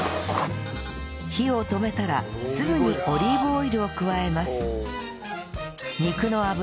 火を止めたらすぐにオリーブオイルを加えます